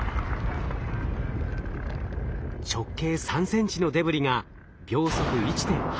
直径３ｃｍのデブリが秒速１．８ｋｍ。